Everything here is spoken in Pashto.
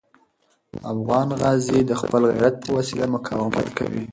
افغان غازي د خپل غیرت په وسیله مقاومت کوي.